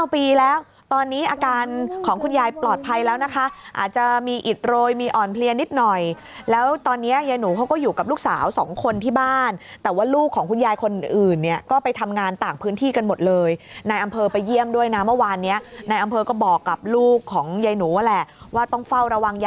เพราะว่าจะต้องการตัวตายตัวแทน